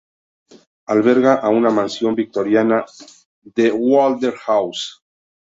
Alberga a una mansión victorina "The Walther House".